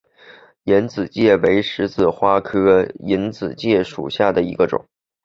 隐子芥为十字花科隐子芥属下的一个种。